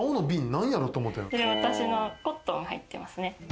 これは私のコットンが入ってますね。